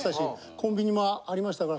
コンビニもありましたから。